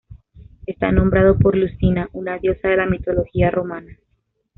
Está nombrado por Lucina, una diosa de la mitología romana.